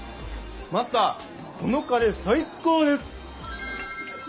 マスターこのカレー最高です！